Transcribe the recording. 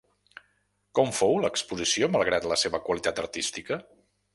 Com fou l'exposició malgrat la seva qualitat artística?